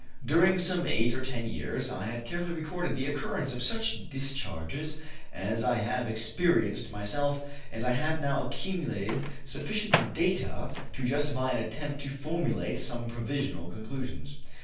During some eight or ten years I have carefully recorded the occurrence of such discharges as I have experienced myself, and I have now accumulated sufficient data to justify an attempt to formulate some provisional conclusions.